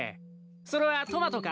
それはトマトか？